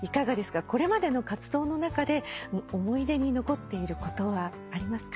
これまでの活動の中で思い出に残っていることはありますか？